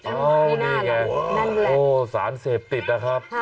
นั่นไงนั่นแหละโอ้สารเสพติดนะครับ